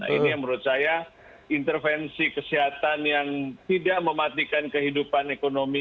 ini yang menurut saya intervensi kesehatan yang tidak mematikan kehidupan ekonomi